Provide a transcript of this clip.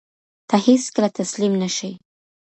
ته هېڅکله تسلیم نه شې.